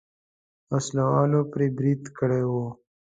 وسله والو پرې برید کړی و.